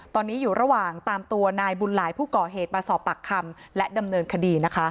ตอนนี้อยู่ระหว่างตามตัวนายบุญหลายผู้ก่อเหตุมาสอบปากคำและดำเนินคดีนะคะ